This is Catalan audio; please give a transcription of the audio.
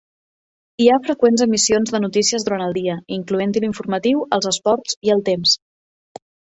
Hi ha freqüents emissions de notícies durant el dia, incloent-hi l'informatiu, els esports i el temps.